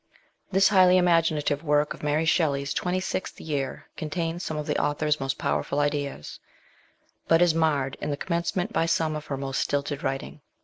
This highly imaginative work of Mary Shelley's twenty sixth year contains some of the author's most powerful ideas ; but is marred in the commencement by some of her most stilted writing.